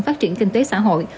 phát triển kinh tế xã hội